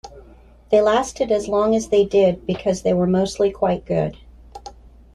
They lasted as long as they did because they were mostly quite good.